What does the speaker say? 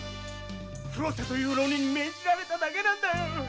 黒瀬という浪人に命じられただけなんだよ！